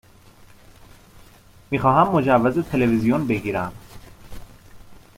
می خواهم مجوز تلویزیون بگیرم.